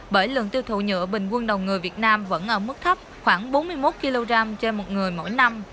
bởi lượng tiêu thụ nhựa bình quân đầu người việt nam vẫn ở mức thấp khoảng bốn mươi một kg trên một người mỗi năm